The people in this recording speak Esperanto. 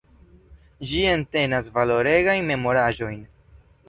Ĝi entenas valoregajn memoraĵojn.